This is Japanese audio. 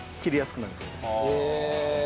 へえ。